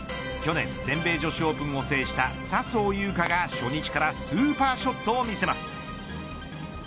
去年、全米女子オープンを制した笹生優花が初日からスーパーショットを見せます。